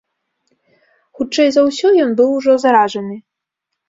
Хутчэй за ўсё, ён быў ужо заражаны.